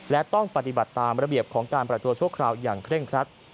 และต้องปฏิบัติตามระเบียบของการปล่อยตัวชั่วคราวอย่างเคร่งครัด